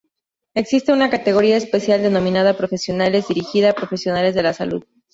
Existe una categoría especial denominada "Profesionales", dirigida a profesionales de la salud.